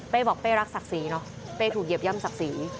บอกเป้รักศักดิ์ศรีเนอะเป้ถูกเหยียบย่ำศักดิ์ศรี